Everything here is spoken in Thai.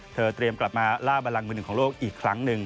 เตรียมกลับมาล่าบันลังมือหนึ่งของโลกอีกครั้งหนึ่ง